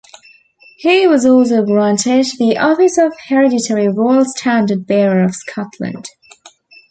He was also granted the office of Hereditary Royal Standard-Bearer of Scotland.